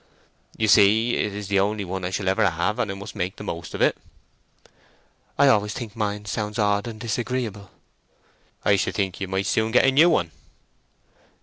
"You see, it is the only one I shall ever have, and I must make the most of it." "I always think mine sounds odd and disagreeable." "I should think you might soon get a new one."